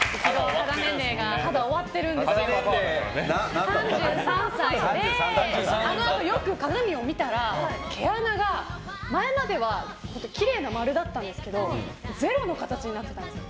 肌年齢が３３歳であのあと、よく鏡を見たら毛穴が、前まではきれいな丸だったんですけど０の形になってたんですよ